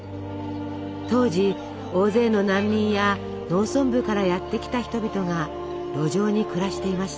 当時大勢の難民や農村部からやって来た人々が路上に暮らしていました。